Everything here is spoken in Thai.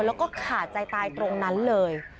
แล้วก็ขาดใจตายตรงนั้นเลย